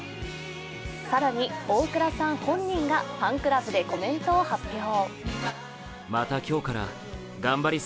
更に、大倉さん本人がファンクラブでコメントを発表。